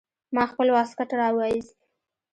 ما خپل واسکټ راوايست.